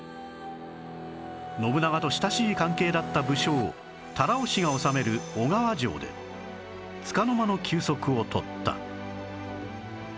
信長と親しい関係だった武将多羅尾氏が治める小川城でつかの間の休息を取った